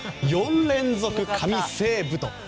４連続神セーブと。